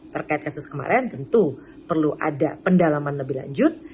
terkait kasus kemarin tentu perlu ada pendalaman lebih lanjut